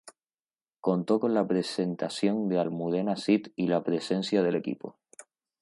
Contó con la presentación de Almudena Cid y la presencia del equipo.